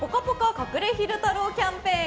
隠れ昼太郎キャンペーン。